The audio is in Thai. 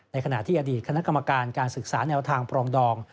ขณะที่อดีตคณะกรรมการการศึกษาแนวทางปรองดอง